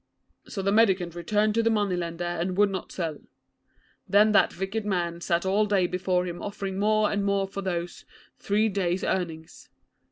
'So the mendicant returned to the money lender, and would not sell. Then that wicked man sat all day before him offering more and more for those, three days' earnings.